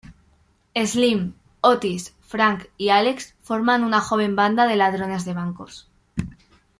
Slim, Otis, Frank y Alex forman una joven banda de ladrones de bancos.